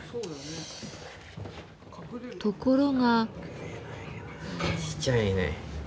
ところが。